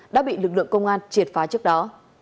đã bị lực lượng công an triệt phá trước đó